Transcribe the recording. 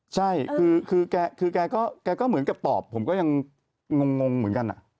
ใช่คือแกก็เหมือนกับตอบผมก็ยังงงเหมือนกัน